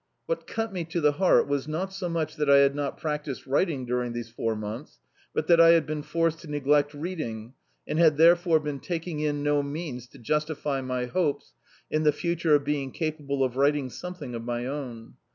What cut me to the heart was not so much that I had not practised writing during these four months, but that I had been forced to neglect reading and had therefore been taking in no means to justify my hopes in the future of being capable of writing something of my own.